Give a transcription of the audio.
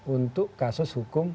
untuk kasus hukum